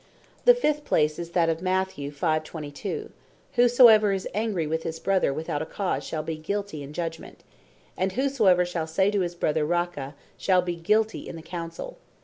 The fift place, is that of Matth. 5. 22. "Whosoever is angry with his Brother without a cause, shall be guilty in Judgment. And whosoever shall say to his Brother, RACHA, shall be guilty in the Councel.